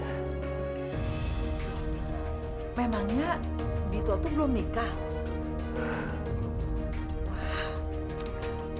rito memangnya rito belum nikah